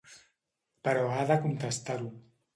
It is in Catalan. Però ha de contestar-ho.